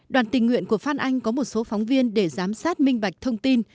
đoàn tình nguyện của phan anh có một số phóng viên để giám sát minh bạch thông tin